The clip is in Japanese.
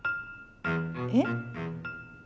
えっ？